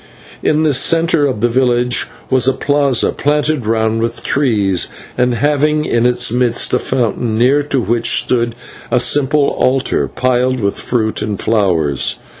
In the centre of the village was a /plaza/, planted round with trees, and having in its midst a fountain, near to which stood a simple altar, piled with fruit and flowers.